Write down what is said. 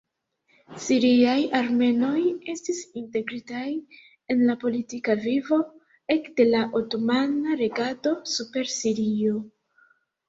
Siriaj armenoj estis integritaj en la politika vivo ekde la otomana regado super Sirio.